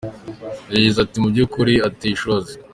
Yagize ati "Mu by’ukuri, ateye ishozi.